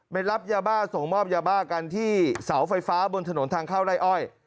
รับยาบ้าส่งมอบยาบ้ากันที่เสาไฟฟ้าบนถนนทางเข้าไล่อ้อย